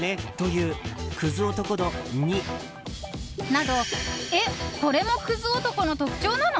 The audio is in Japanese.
などえ、これもクズ男の特徴なの？